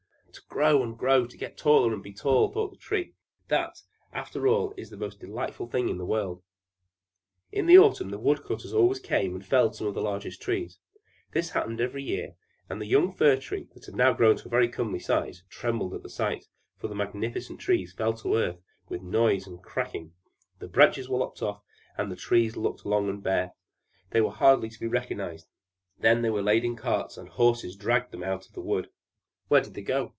"To grow and grow, to get older and be tall," thought the Tree "that, after all, is the most delightful thing in the world!" In autumn the wood cutters always came and felled some of the largest trees. This happened every year; and the young Fir Tree, that had now grown to a very comely size, trembled at the sight; for the magnificent great trees fell to the earth with noise and cracking, the branches were lopped off, and the trees looked long and bare; they were hardly to be recognised; and then they were laid in carts, and the horses dragged them out of the wood. Where did they go to?